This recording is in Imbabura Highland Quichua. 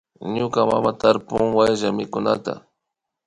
Muña mama tarpun wayllamikunata